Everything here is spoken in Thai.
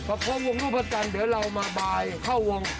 พอพร้อมวงรูปพระจันทร์เดี๋ยวเรามาบายเข้าวง